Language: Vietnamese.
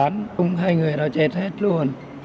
khi bắn hai người đó chết hết luôn